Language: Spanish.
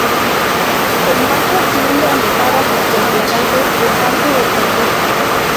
El macho tiende a matar a sus contrincantes en parte del cortejo.